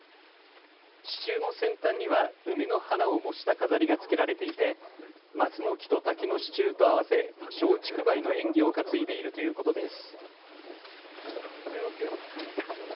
支柱の先端には梅の花を模した飾りがつけられていて松の木と竹の支柱と合わせ松竹梅の縁起を担いでいるということです。